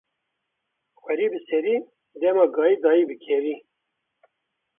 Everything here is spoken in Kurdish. Xwerî bi serî, dema gayî dayî bi kerî